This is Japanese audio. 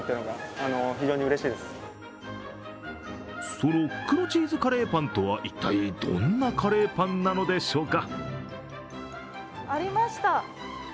その黒チーズカレーパンとは一体どんなカレーパンなのでしょうか？